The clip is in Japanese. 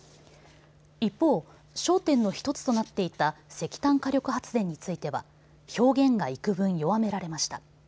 一方、焦点の１つとなっていた石炭火力発電については表現がいくぶん弱められました。